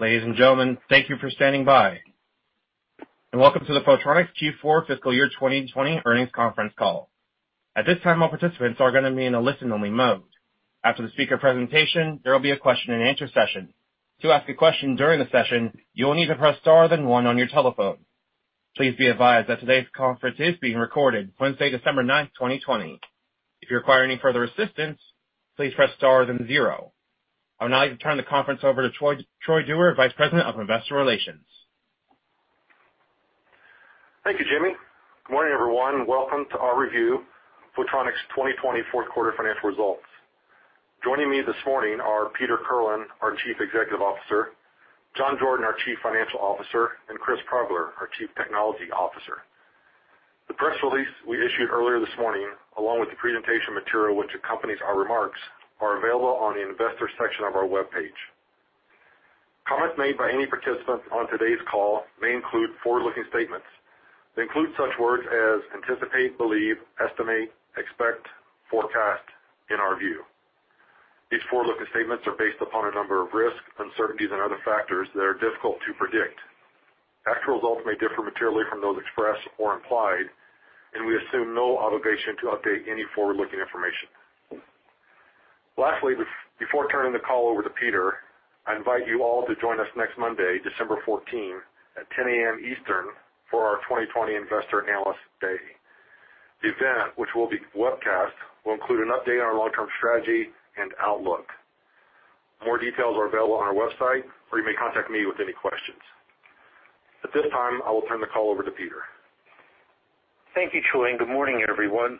Ladies and gentlemen, thank you for standing by. And welcome to the Photronics Q4 Fiscal Year 2020 Earnings Conference Call. At this time, all participants are going to be in a listen-only mode. After the speaker presentation, there will be a question-and-answer session. To ask a question during the session, you will need to press star, then one on your telephone. Please be advised that today's conference is being recorded, Wednesday, December 9, 2020. If you require any further assistance, please press star, then zero. I would now like to turn the conference over to Troy Dewar, Vice President of Investor Relations. Thank you, Jimmy. Good morning, everyone. Welcome to our review of Photronics' 2020 fourth quarter financial results. Joining me this morning are Peter Kirlin, our Chief Executive Officer, John Jordan, our Chief Financial Officer, and Chris Progler, our Chief Technology Officer. The press release we issued earlier this morning, along with the presentation material which accompanies our remarks, is available on the investor section of our web page. Comments made by any participants on today's call may include forward-looking statements that include such words as anticipate, believe, estimate, expect, forecast, in our view. These forward-looking statements are based upon a number of risks, uncertainties, and other factors that are difficult to predict. Actual results may differ materially from those expressed or implied, and we assume no obligation to update any forward-looking information. Lastly, before turning the call over to Peter, I invite you all to join us next Monday, December 14, at 10:00 A.M. Eastern for our 2020 Investor Analyst Day. The event, which will be webcast, will include an update on our long-term strategy and outlook. More details are available on our website, or you may contact me with any questions. At this time, I will turn the call over to Peter. Thank you, Troy. Good morning, everyone.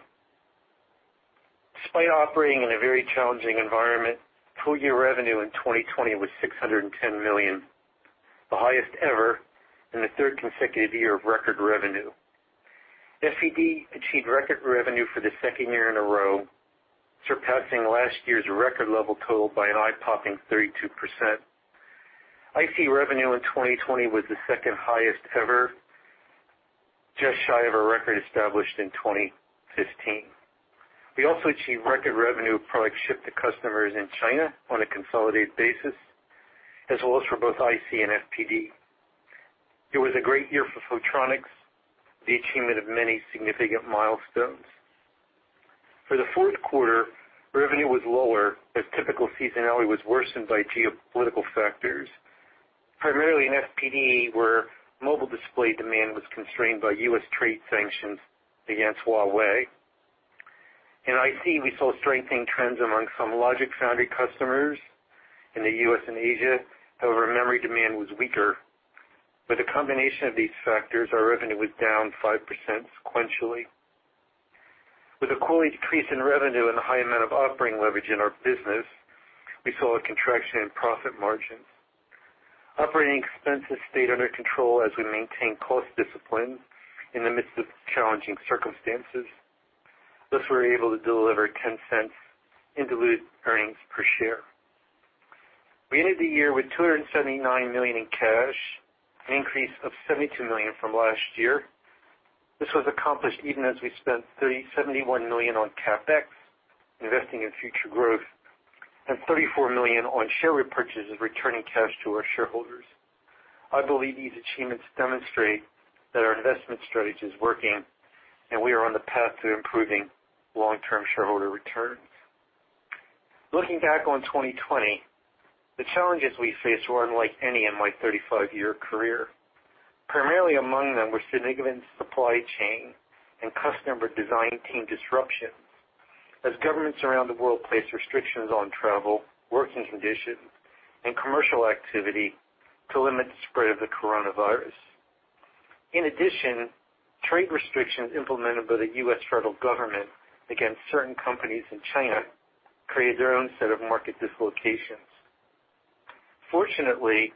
Despite operating in a very challenging environment, full-year revenue in 2020 was $610 million, the highest ever in the third consecutive year of record revenue. FPD achieved record revenue for the second year in a row, surpassing last year's record level total by an eye-popping 32%. IC revenue in 2020 was the second highest ever, just shy of a record established in 2015. We also achieved record revenue for our ship to customers in China on a consolidated basis, as well as for both IC and FPD. It was a great year for Photronics, the achievement of many significant milestones. For the fourth quarter, revenue was lower, as typical seasonality was worsened by geopolitical factors. Primarily in FPD, where mobile display demand was constrained by U.S. trade sanctions against Huawei. In IC, we saw strengthening trends among some logic foundry customers in the U.S. and Asia. However, memory demand was weaker. With a combination of these factors, our revenue was down 5% sequentially. With a quarterly decrease in revenue and the high amount of operating leverage in our business, we saw a contraction in profit margins. Operating expenses stayed under control as we maintained cost discipline in the midst of challenging circumstances. Thus, we were able to deliver $0.10 in diluted earnings per share. We ended the year with $279 million in cash, an increase of $72 million from last year. This was accomplished even as we spent $71 million on CapEx, investing in future growth, and $34 million on share repurchases, returning cash to our shareholders. I believe these achievements demonstrate that our investment strategy is working, and we are on the path to improving long-term shareholder returns. Looking back on 2020, the challenges we faced were unlike any in my 35-year career. Primarily among them were significant supply chain and customer design team disruptions, as governments around the world placed restrictions on travel, working conditions, and commercial activity to limit the spread of the coronavirus. In addition, trade restrictions implemented by the U.S. federal government against certain companies in China created their own set of market dislocations. Fortunately,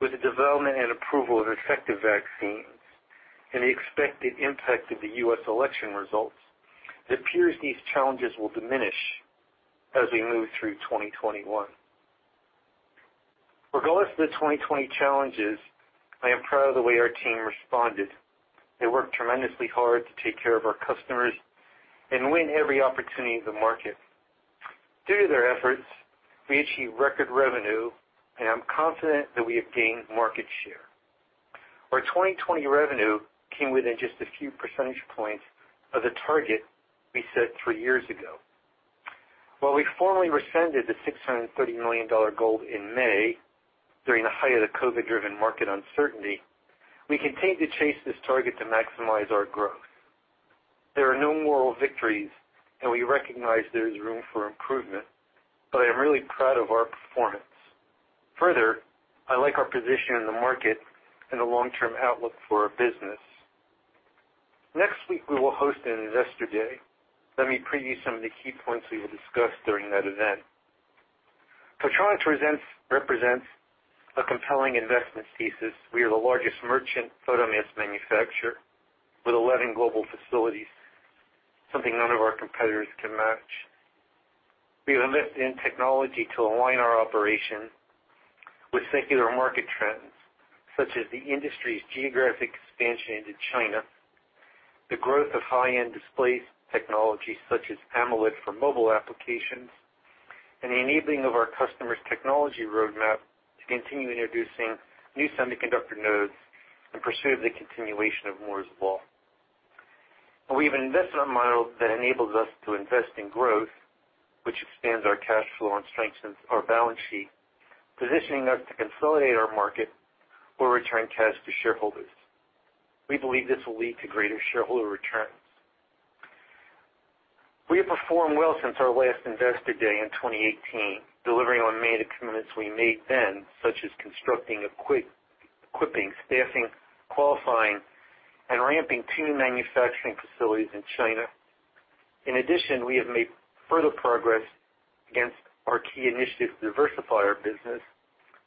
with the development and approval of effective vaccines and the expected impact of the U.S. election results, it appears these challenges will diminish as we move through 2021. Regardless of the 2020 challenges, I am proud of the way our team responded. They worked tremendously hard to take care of our customers and win every opportunity in the market. Due to their efforts, we achieved record revenue, and I'm confident that we have gained market share. Our 2020 revenue came within just a few percentage points of the target we set three years ago. While we formally rescinded the $630 million goal in May during the height of the COVID-driven market uncertainty, we continue to chase this target to maximize our growth. There are no moral victories, and we recognize there is room for improvement, but I am really proud of our performance. Further, I like our position in the market and the long-term outlook for our business. Next week, we will host an Investor Day. Let me preview some of the key points we will discuss during that event. Photronics represents a compelling investment thesis. We are the largest merchant photomask manufacturer with 11 global facilities, something none of our competitors can match. We have invested in technology to align our operation with secular market trends, such as the industry's geographic expansion into China, the growth of high-end display technology, such as AMOLED for mobile applications, and the enabling of our customers' technology roadmap to continue introducing new semiconductor nodes in pursuit of the continuation of Moore's Law. We have an investment model that enables us to invest in growth, which expands our cash flow and strengthens our balance sheet, positioning us to consolidate our market or return cash to shareholders. We believe this will lead to greater shareholder returns. We have performed well since our last Investor Day in 2018, delivering on many of the commitments we made then, such as constructing, equipping, staffing, qualifying, and ramping two manufacturing facilities in China. In addition, we have made further progress against our key initiatives to diversify our business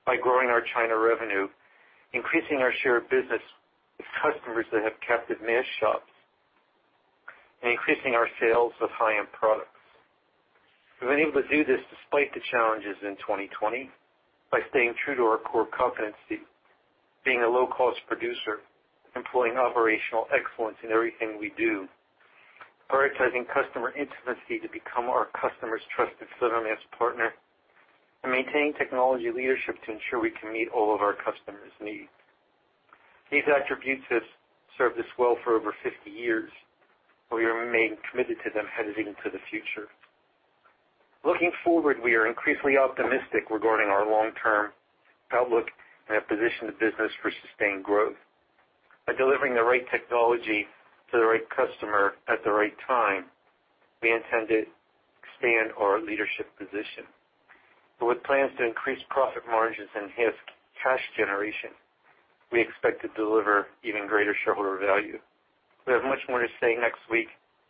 by growing our China revenue, increasing our share of business with customers that have captive mask shops, and increasing our sales of high-end products. We've been able to do this despite the challenges in 2020 by staying true to our core competency, being a low-cost producer, employing operational excellence in everything we do, prioritizing customer intimacy to become our customer's trusted Photronics partner, and maintaining technology leadership to ensure we can meet all of our customers' needs. These attributes have served us well for over 50 years, and we remain committed to them heading into the future. Looking forward, we are increasingly optimistic regarding our long-term outlook and our position of business for sustained growth. By delivering the right technology to the right customer at the right time, we intend to expand our leadership position. With plans to increase profit margins and cash generation, we expect to deliver even greater shareholder value. We have much more to say next week,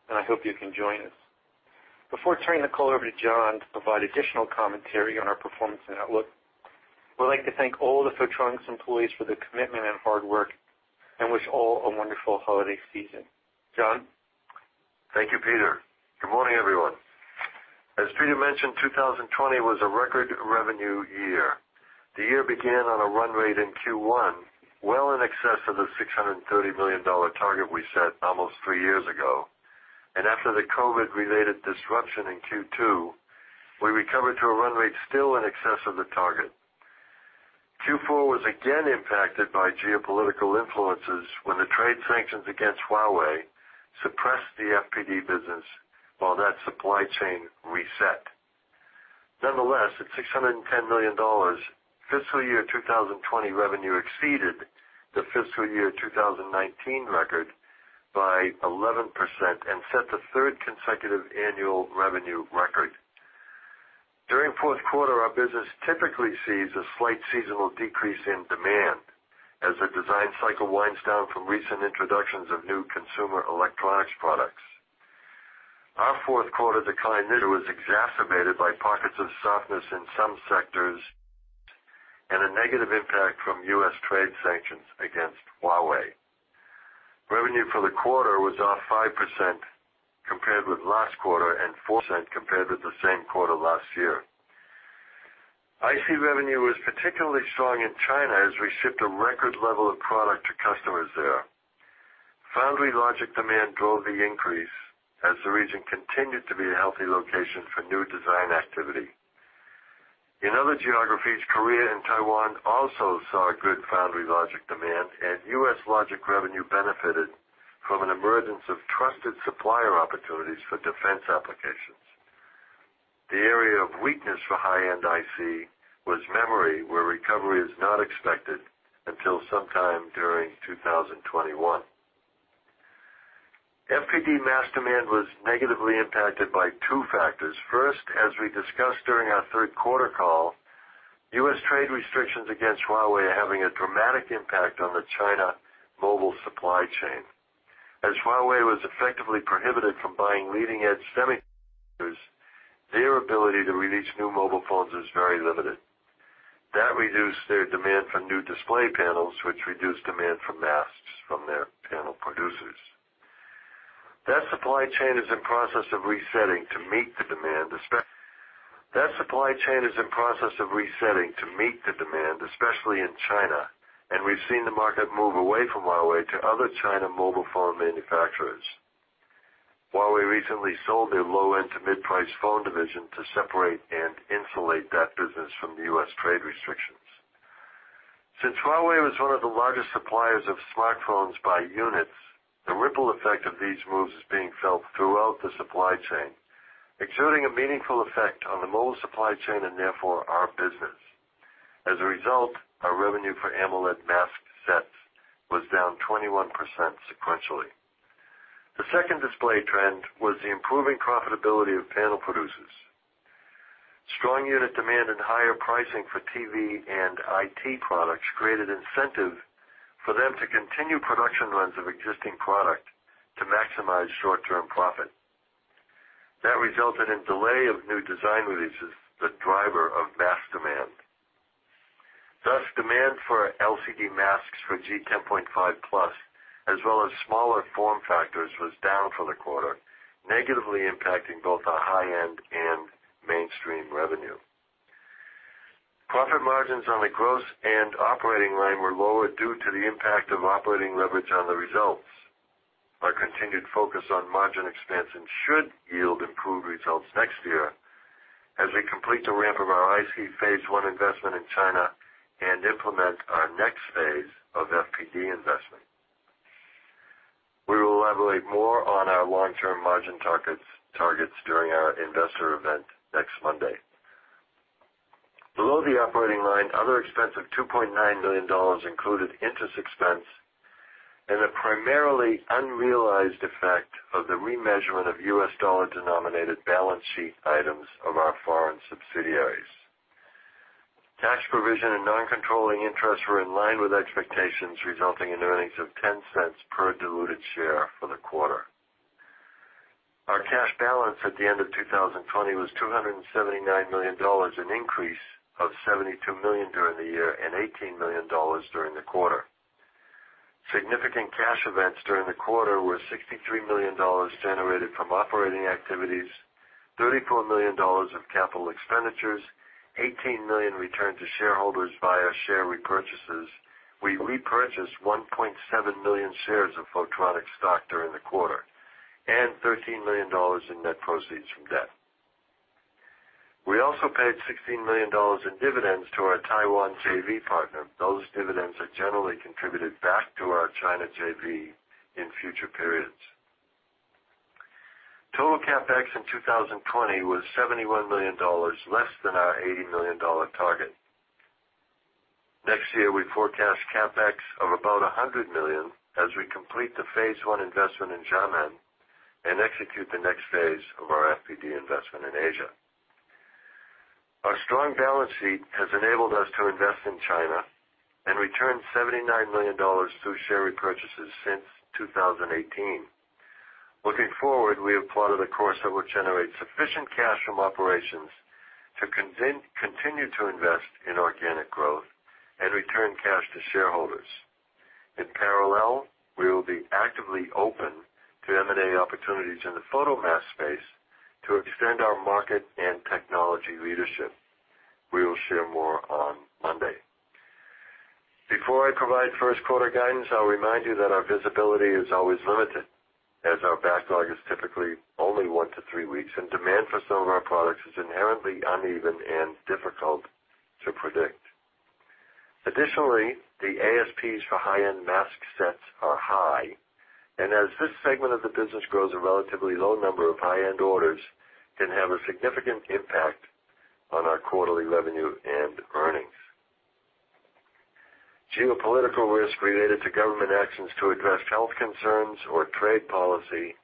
and I hope you can join us. Before turning the call over to John to provide additional commentary on our performance and outlook, we'd like to thank all the Photronics employees for their commitment and hard work and wish all a wonderful holiday season. John? Thank you, Peter. Good morning, everyone. As Peter mentioned, 2020 was a record revenue year. The year began on a run rate in Q1 well in excess of the $630 million target we set almost three years ago, and after the COVID-related disruption in Q2, we recovered to a run rate still in excess of the target. Q4 was again impacted by geopolitical influences when the trade sanctions against Huawei suppressed the FPD business while that supply chain reset. Nonetheless, at $610 million, fiscal year 2020 revenue exceeded the fiscal year 2019 record by 11% and set the third consecutive annual revenue record. During fourth quarter, our business typically sees a slight seasonal decrease in demand as the design cycle winds down from recent introductions of new consumer electronics products. Our fourth quarter decline was exacerbated by pockets of softness in some sectors and a negative impact from U.S. Trade sanctions against Huawei. Revenue for the quarter was off 5% compared with last quarter and 4% compared with the same quarter last year. IC revenue was particularly strong in China as we shipped a record level of product to customers there. Foundry logic demand drove the increase as the region continued to be a healthy location for new design activity. In other geographies, Korea and Taiwan also saw good foundry logic demand, and U.S. logic revenue benefited from an emergence of trusted supplier opportunities for defense applications. The area of weakness for high-end IC was memory, where recovery is not expected until sometime during 2021. FPD mask demand was negatively impacted by two factors. First, as we discussed during our third quarter call, U.S. trade restrictions against Huawei are having a dramatic impact on the China mobile supply chain. As Huawei was effectively prohibited from buying leading-edge semiconductors, their ability to release new mobile phones is very limited. That reduced their demand for new display panels, which reduced demand for masks from their panel producers. That supply chain is in process of resetting to meet the demand, especially in China, and we've seen the market move away from Huawei to other China mobile phone manufacturers. Huawei recently sold their low-end to mid-price phone division to separate and insulate that business from the U.S. trade restrictions. Since Huawei was one of the largest suppliers of smartphones by units, the ripple effect of these moves is being felt throughout the supply chain, exerting a meaningful effect on the mobile supply chain and therefore our business. As a result, our revenue for AMOLED mask sets was down 21% sequentially. The second display trend was the improving profitability of panel producers. Strong unit demand and higher pricing for TV and IT products created incentive for them to continue production runs of existing product to maximize short-term profit. That resulted in delay of new design releases, the driver of mask demand. Thus, demand for LCD masks for G10.5 Plus, as well as smaller form factors, was down for the quarter, negatively impacting both our high-end and mainstream revenue. Profit margins on the gross and operating line were lower due to the impact of operating leverage on the results. Our continued focus on margin expansion should yield improved results next year as we complete the ramp of our IC phase one investment in China and implement our next phase of FPD investment. We will elaborate more on our long-term margin targets during our investor event next Monday. Below the operating line, other expenses of $2.9 million included interest expense and the primarily unrealized effect of the remeasurement of U.S. dollar-denominated balance sheet items of our foreign subsidiaries. Tax provision and non-controlling interest were in line with expectations, resulting in earnings of $0.10 per diluted share for the quarter. Our cash balance at the end of 2020 was $279 million, an increase of $72 million during the year and $18 million during the quarter. Significant cash events during the quarter were $63 million generated from operating activities, $34 million of capital expenditures, and $18 million returned to shareholders via share repurchases. We repurchased 1.7 million shares of Photronics stock during the quarter and $13 million in net proceeds from debt. We also paid $16 million in dividends to our Taiwan JV partner. Those dividends are generally contributed back to our China JV in future periods. Total CapEx in 2020 was $71 million, less than our $80 million target. Next year, we forecast CapEx of about $100 million as we complete the phase one investment in Xiamen and execute the next phase of our FPD investment in Asia. Our strong balance sheet has enabled us to invest in China and returned $79 million through share repurchases since 2018. Looking forward, we have plotted a course that will generate sufficient cash from operations to continue to invest in organic growth and return cash to shareholders. In parallel, we will be actively open to M&A opportunities in the photomask space to extend our market and technology leadership. We will share more on Monday. Before I provide first quarter guidance, I'll remind you that our visibility is always limited, as our backlog is typically only one to three weeks, and demand for some of our products is inherently uneven and difficult to predict. Additionally, the ASPs for high-end mask sets are high, and as this segment of the business grows, a relatively low number of high-end orders can have a significant impact on our quarterly revenue and earnings. Geopolitical risk related to government actions to address health concerns or trade policy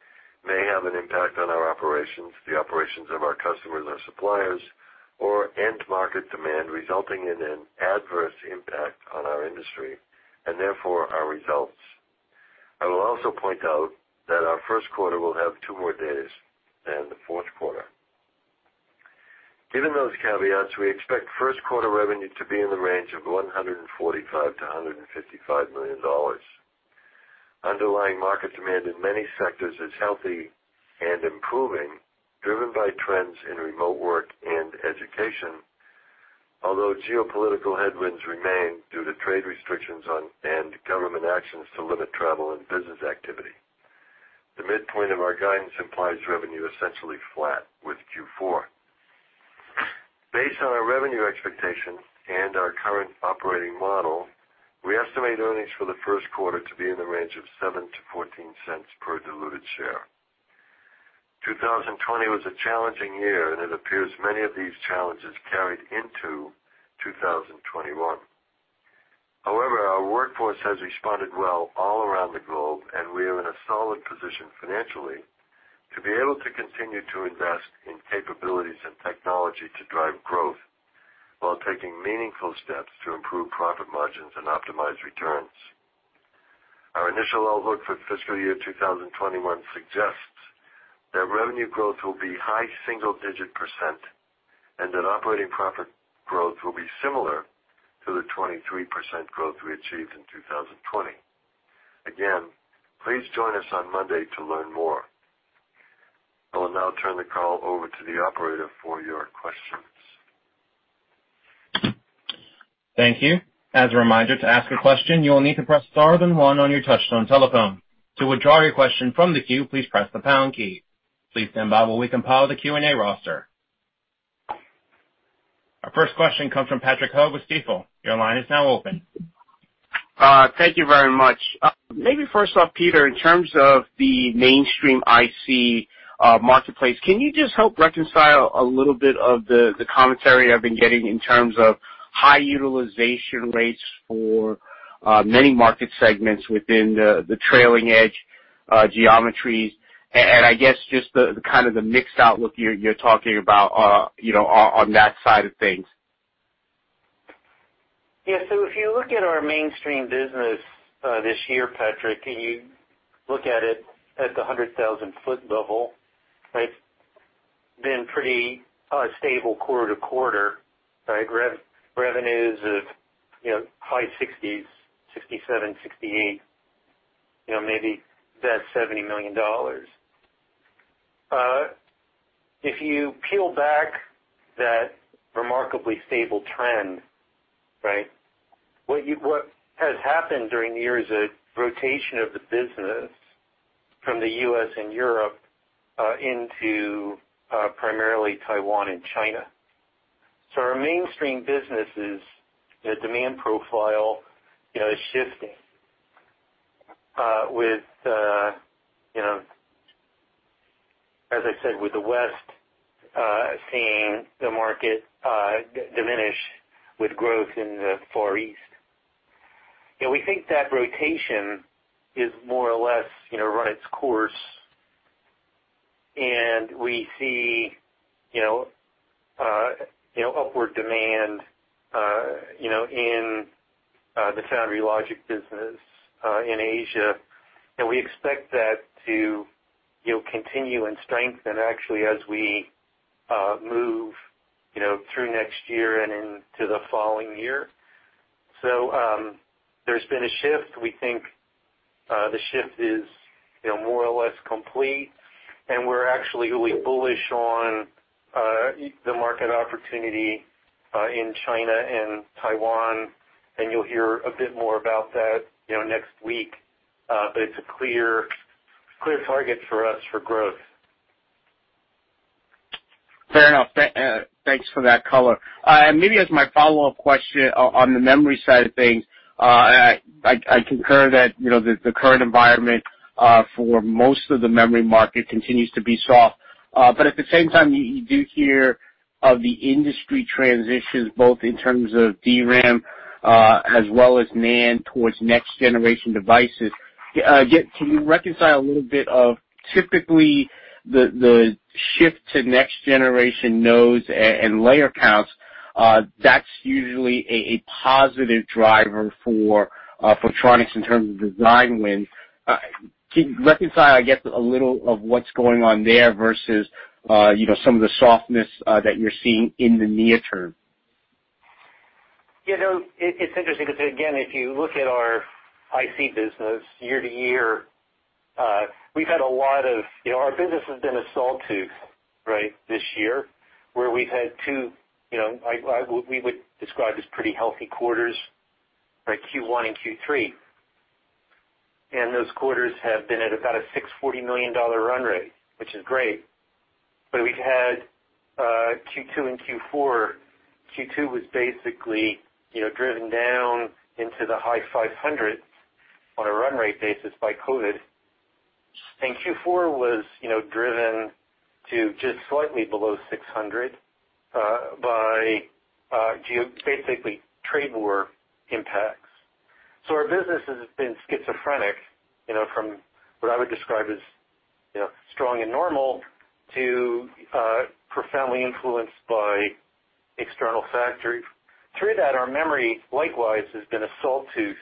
may have an impact on our operations, the operations of our customers or suppliers, or end market demand, resulting in an adverse impact on our industry and therefore our results. I will also point out that our first quarter will have two more days than the fourth quarter. Given those caveats, we expect first quarter revenue to be in the range of $145 million-$155 million. Underlying market demand in many sectors is healthy and improving, driven by trends in remote work and education, although geopolitical headwinds remain due to trade restrictions and government actions to limit travel and business activity. The midpoint of our guidance implies revenue essentially flat with Q4. Based on our revenue expectation and our current operating model, we estimate earnings for the first quarter to be in the range of $0.07-$0.14 per diluted share. 2020 was a challenging year, and it appears many of these challenges carried into 2021. However, our workforce has responded well all around the globe, and we are in a solid position financially to be able to continue to invest in capabilities and technology to drive growth while taking meaningful steps to improve profit margins and optimize returns. Our initial outlook for fiscal year 2021 suggests that revenue growth will be high single-digit % and that operating profit growth will be similar to the 23% growth we achieved in 2020. Again, please join us on Monday to learn more. I will now turn the call over to the operator for your questions. Thank you. As a reminder, to ask a question, you will need to press star then one on your touch-tone telephone. To withdraw your question from the queue, please press the pound key. Please stand by while we compile the Q&A roster. Our first question comes from Patrick Ho with Stifel. Your line is now open. Thank you very much. Maybe first off, Peter, in terms of the mainstream IC marketplace, can you just help reconcile a little bit of the commentary I've been getting in terms of high utilization rates for many market segments within the trailing edge geometries and I guess just the kind of the mixed outlook you're talking about on that side of things? Yeah. So if you look at our mainstream business this year, Patrick, and you look at it at the 100,000-foot level, been pretty stable quarter to quarter, revenues of high 60s, 67, 68, maybe that $70 million. If you peel back that remarkably stable trend, what has happened during the years is a rotation of the business from the U.S. and Europe into primarily Taiwan and China. So our mainstream businesses, the demand profile is shifting with, as I said, with the West seeing the market diminish with growth in the Far East. We think that rotation is more or less run its course, and we see upward demand in the foundry logic business in Asia. And we expect that to continue and strengthen, actually, as we move through next year and into the following year. So there's been a shift. We think the shift is more or less complete, and we're actually really bullish on the market opportunity in China and Taiwan. And you'll hear a bit more about that next week, but it's a clear target for us for growth. Fair enough. Thanks for that color. Maybe as my follow-up question on the memory side of things, I concur that the current environment for most of the memory market continues to be soft. But at the same time, you do hear of the industry transitions, both in terms of DRAM as well as NAND towards next-generation devices. Can you reconcile a little bit of typically the shift to next-generation nodes and layer counts? That's usually a positive driver for Photronics in terms of design wins. Can you reconcile, I guess, a little of what's going on there versus some of the softness that you're seeing in the near term? Yeah. It's interesting because, again, if you look at our IC business year to year, we've had a lot of our business has been a sawtooth this year where we've had two we would describe as pretty healthy quarters, Q1 and Q3, and those quarters have been at about a $640 million run rate, which is great, but we've had Q2 and Q4, Q2 was basically driven down into the high 500 on a run rate basis by COVID, and Q4 was driven to just slightly below 600 by basically trade war impacts, so our business has been schizophrenic from what I would describe as strong and normal to profoundly influenced by external factors. Through that, our memory likewise has been a sawtooth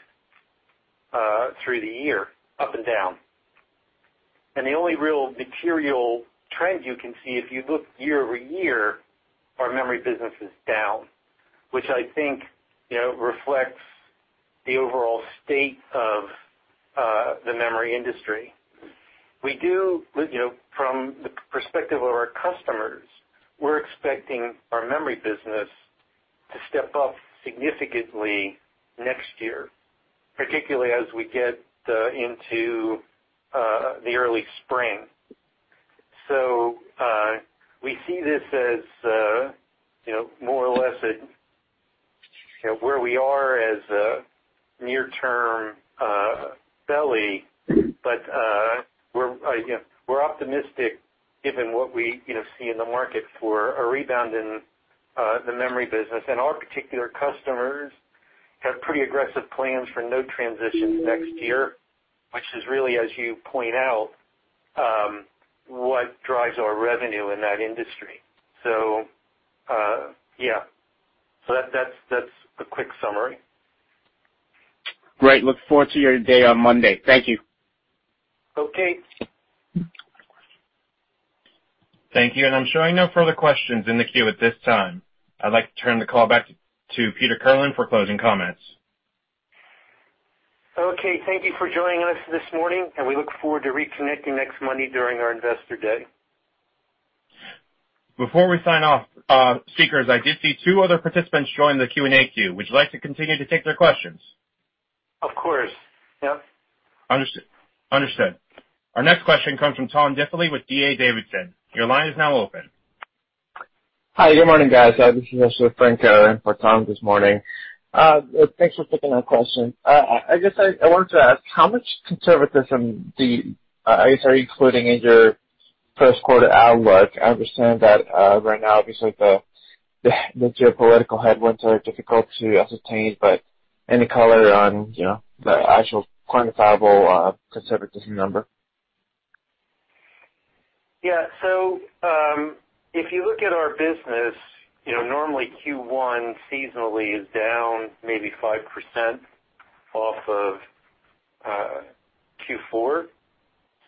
through the year, up and down. And the only real material trend you can see, if you look year over year, our memory business is down, which I think reflects the overall state of the memory industry. From the perspective of our customers, we're expecting our memory business to step up significantly next year, particularly as we get into the early spring. So we see this as more or less where we are as a near-term valley, but we're optimistic given what we see in the market for a rebound in the memory business. And our particular customers have pretty aggressive plans for node transitions next year, which is really, as you point out, what drives our revenue in that industry. So yeah. So that's a quick summary. Great. Look forward to your day on Monday. Thank you. Okay. Thank you. I'm showing no further questions in the queue at this time. I'd like to turn the call back to Peter Kirlin for closing comments. Okay. Thank you for joining us this morning, and we look forward to reconnecting next Monday during our investor day. Before we sign off, speakers, I did see two other participants join the Q&A queue. Would you like to continue to take their questions? Of course. Yeah. Understood. Our next question comes from Tom Diffely with D.A. Davidson. Your line is now open. Hi. Good morning, guys. This is Mr. Frank Pherrin for Tom this morning. Thanks for taking our question. I guess I wanted to ask, how much conservatism are you including in your first quarter outlook? I understand that right now, obviously, the geopolitical headwinds are difficult to ascertain, but any color on the actual quantifiable conservatism number? Yeah. So if you look at our business, normally Q1 seasonally is down maybe 5% off of Q4.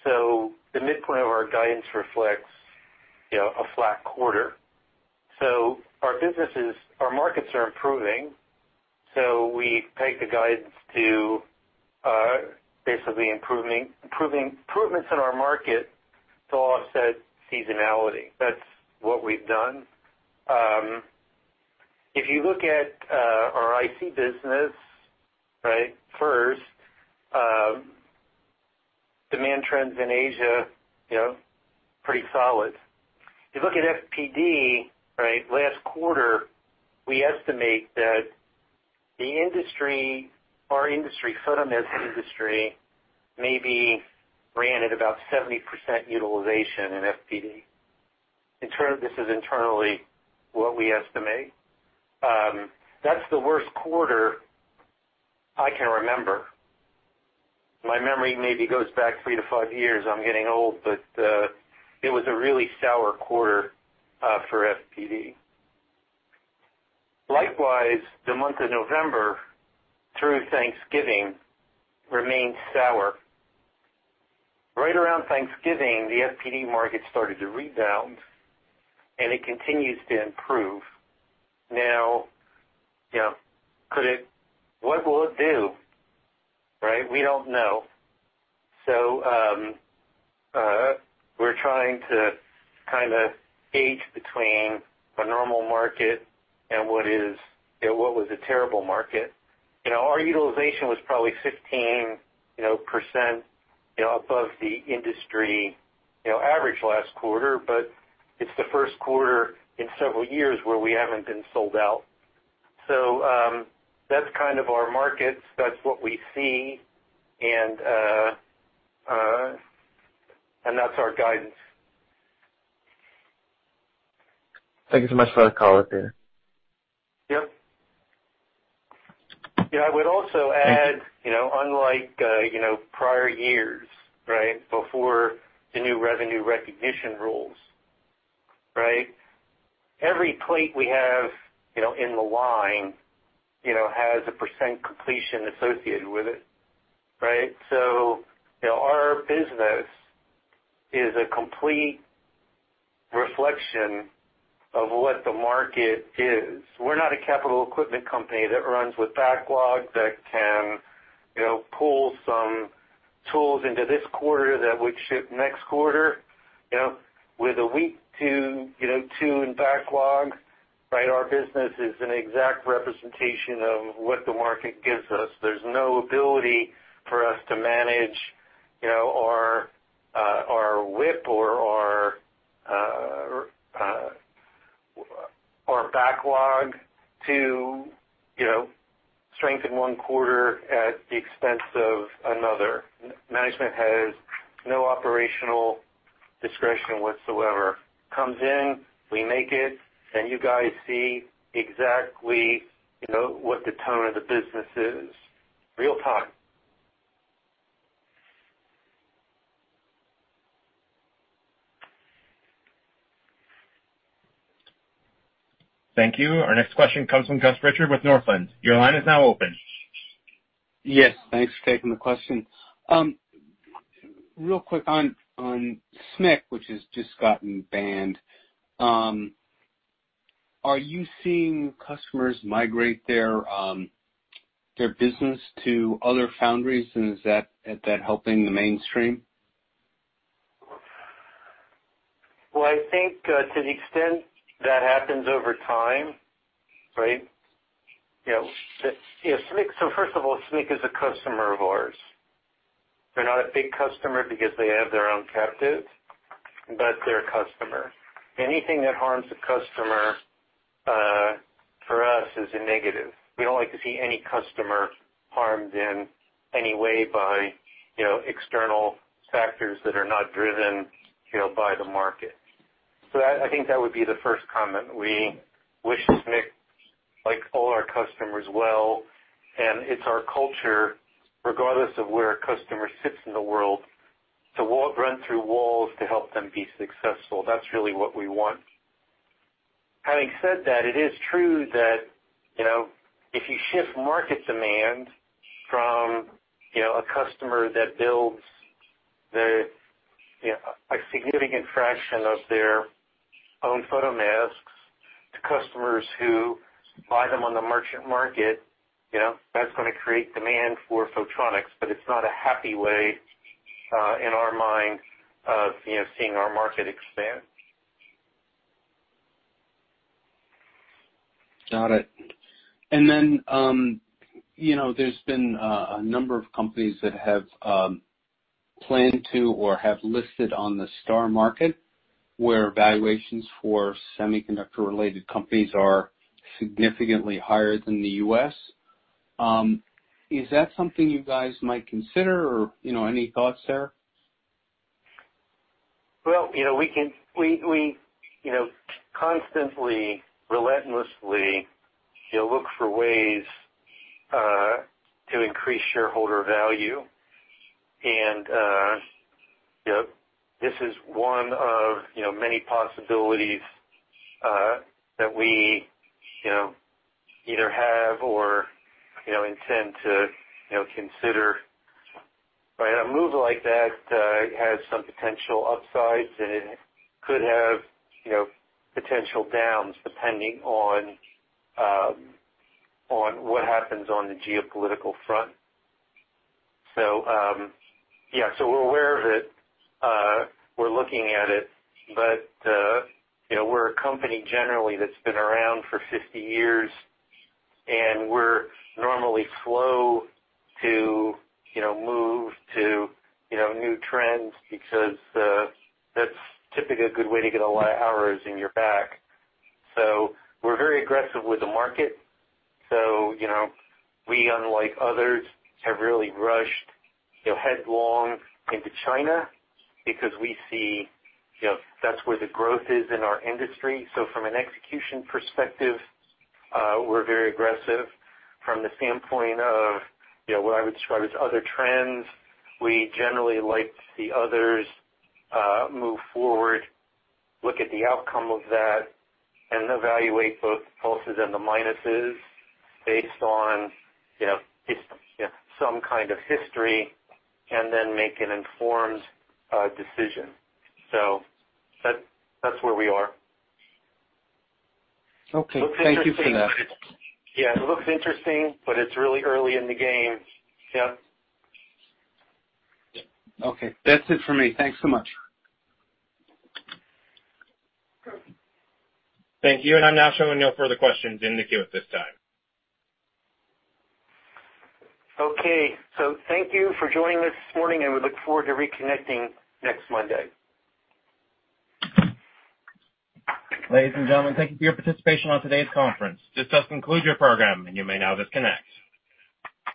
So the midpoint of our guidance reflects a flat quarter. So our markets are improving. So we take the guidance to basically improvements in our market to offset seasonality. That's what we've done. If you look at our IC business, first, demand trends in Asia are pretty solid. If you look at FPD, last quarter, we estimate that our industry, Photronics industry, maybe ran at about 70% utilization in FPD. This is internally what we estimate. That's the worst quarter I can remember. My memory maybe goes back three to five years. I'm getting old, but it was a really sour quarter for FPD. Likewise, the month of November through Thanksgiving remained sour. Right around Thanksgiving, the FPD market started to rebound, and it continues to improve. Now, what will it do? We don't know. So we're trying to kind of gauge between a normal market and what was a terrible market. Our utilization was probably 15% above the industry average last quarter, but it's the first quarter in several years where we haven't been sold out. So that's kind of our markets. That's what we see, and that's our guidance. Thank you so much for that call, Peter. Yep. Yeah. I would also add, unlike prior years before the new revenue recognition rules, every plate we have in the line has a percent completion associated with it. So our business is a complete reflection of what the market is. We're not a capital equipment company that runs with backlog that can pull some tools into this quarter that would ship next quarter with a week or two in backlog. Our business is an exact representation of what the market gives us. There's no ability for us to manage our WIP or our backlog to strengthen one quarter at the expense of another. Management has no operational discretion whatsoever. It comes in, we make it, and you guys see exactly what the tone of the business is in real time. Thank you. Our next question comes from Gus Richard with Northland. Your line is now open. Yes. Thanks for taking the question. Real quick on SMIC, which has just gotten banned. Are you seeing customers migrate their business to other foundries, and is that helping the mainstream? I think to the extent that happens over time, so first of all, SMIC is a customer of ours. They're not a big customer because they have their own captive, but they're a customer. Anything that harms a customer for us is a negative. We don't like to see any customer harmed in any way by external factors that are not driven by the market. So I think that would be the first comment. We wish SMIC, like all our customers, well, and it's our culture, regardless of where a customer sits in the world, to run through walls to help them be successful. That's really what we want. Having said that, it is true that if you shift market demand from a customer that builds a significant fraction of their own photomasks to customers who buy them on the merchant market, that's going to create demand for Photronics, but it's not a happy way in our mind of seeing our market expand. Got it. And then there's been a number of companies that have planned to or have listed on the STAR Market where valuations for semiconductor-related companies are significantly higher than the U.S. Is that something you guys might consider or any thoughts there? We constantly, relentlessly look for ways to increase shareholder value. This is one of many possibilities that we either have or intend to consider. A move like that has some potential upsides, and it could have potential downs depending on what happens on the geopolitical front. Yeah. We're aware of it. We're looking at it, but we're a company generally that's been around for 50 years, and we're normally slow to move to new trends because that's typically a good way to get a lot of arrows in your back. We're very aggressive with the market. We, unlike others, have really rushed headlong into China because we see that's where the growth is in our industry. From an execution perspective, we're very aggressive. From the standpoint of what I would describe as other trends, we generally like to see others move forward, look at the outcome of that, and evaluate both the pluses and the minuses based on some kind of history and then make an informed decision. So that's where we are. Okay. Thank you for that. Yeah. It looks interesting, but it's really early in the game. Yeah. Okay. That's it for me. Thanks so much. Thank you, and I'm now showing no further questions in the queue at this time. Okay. So thank you for joining us this morning, and we look forward to reconnecting next Monday. Ladies and gentlemen, thank you for your participation on today's conference. This does conclude your program, and you may now disconnect.